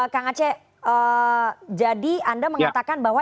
kang aceh jadi anda mengatakan bahwa